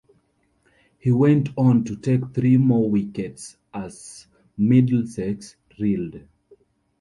He went on to take three more wickets as Middlesex reeled.